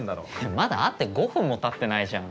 まだ会って５分もたってないじゃん。